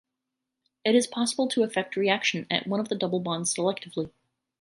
It is possible to effect reaction at one of the double bonds selectively.